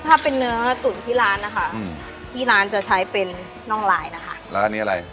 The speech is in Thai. ถ้าเป็นเนื้อตุ๋นที่ร้านนะคะที่ร้านจะใช้เป็นน่องลายนะคะแล้วอันนี้อะไร